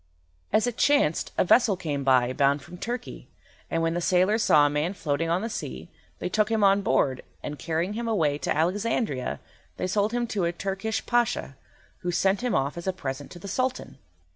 As it chanced, a vessel came by, bound from Turkey, and when the sailors saw a man floating on the sea, they took him on board, and, carrying him away to Alexandria, they sold him to a Turkish Pasha, who sent him off as a present to the Sultan.